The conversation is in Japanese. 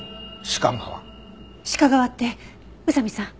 鹿革って宇佐見さん。